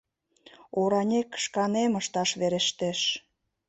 Оранек шканем ышташ верештеш.